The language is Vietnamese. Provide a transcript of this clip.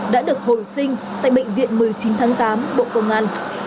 đã được hồi sinh tại bệnh viện một mươi chín tháng tám bộ công an